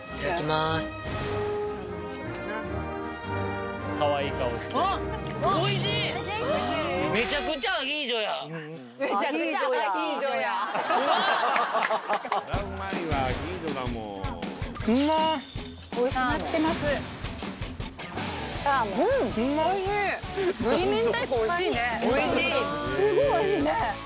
すごいおいしいね。